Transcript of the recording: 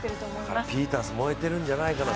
ピータース、燃えてるんじゃないかな。